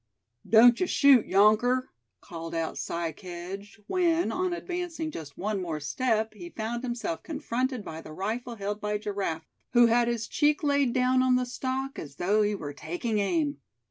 "Don't yuh shoot, younker!" called out Si Kedge, when, on advancing just one more step, he found himself confronted by the rifle held by Giraffe, who had his cheek laid down on the stock, as though he were taking aim.